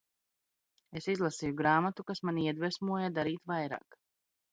Es izlasīju grāmatu, kas mani iedvesmoja darīt vairāk.